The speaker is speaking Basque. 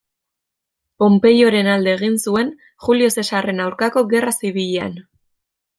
Ponpeioren alde egin zuen Julio Zesarren aurkako gerra-zibilean.